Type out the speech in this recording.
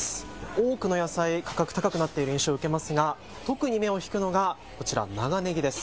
多くの野菜、価格高くなっている印象、受けますが特に目を引くのがこちら、長ねぎです。